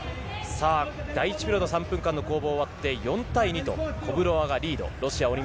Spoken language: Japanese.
第１ピリオド、３分間の攻防が終わって４対２、コブロワがリード。